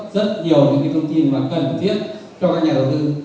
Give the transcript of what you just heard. rất nhiều những cái thông tin mà cần thiết cho các nhà đầu tư